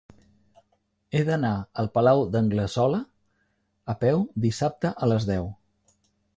He d'anar al Palau d'Anglesola a peu dissabte a les deu.